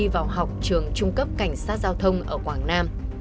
vào học trường trung cấp cảnh sát giao thông ở quảng nam